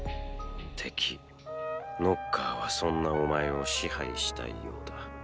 敵ノッカーはそんなお前を支配したいようだ。